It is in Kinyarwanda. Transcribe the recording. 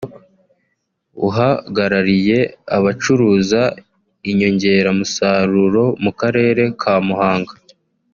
uhagarariye abacuruza inyongeramusaruro mu Karere ka Muhanga